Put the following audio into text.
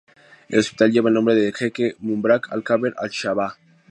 El hospital lleva el nombre del jeque Mubarak Al-Kabeer Al-Sabah.